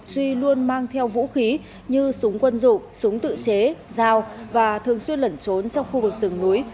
duy luôn mang theo vũ khí như súng quân dụng súng tự chế dao và thường xuyên lẩn trốn trong khu vực rừng núi